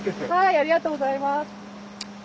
ありがとうございます。